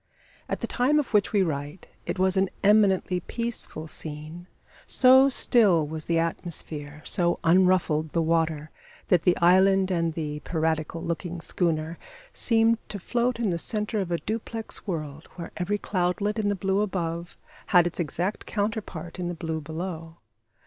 At the time of which we write it was an eminently peaceful scene. So still was the atmosphere, so unruffled the water, that the island and the piratical looking schooner seemed to float in the centre of a duplex world, where every cloudlet in the blue above had its exact counterpart in the blue below.